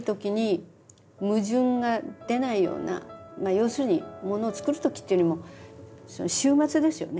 要するにものを作るときっていうよりもその終末ですよね。